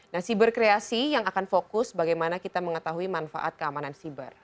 nah siber kreasi yang akan fokus bagaimana kita mengetahui manfaat keamanan siber